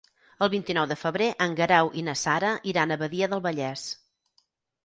El vint-i-nou de febrer en Guerau i na Sara iran a Badia del Vallès.